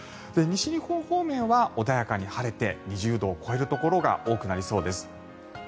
西日本方面は穏やかに晴れて２０度を超えるところが多くなりそうです。